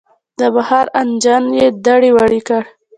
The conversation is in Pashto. د بخار انجن یې دړې وړې کړ.